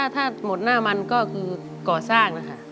ถ้าหมดหน้ามันก็คือก่อสร้างนะคะ